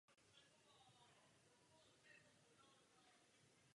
Plavidla je nese jeden vyhledávací a jeden navigační radar.